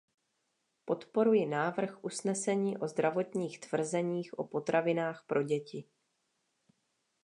Podporuji návrh usnesení o zdravotních tvrzeních o potravinách pro děti.